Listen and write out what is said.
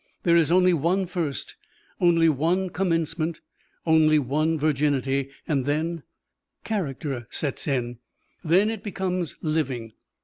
There is only one first, only one commencement, only one virginity. Then " "Character sets in." "Then it becomes living.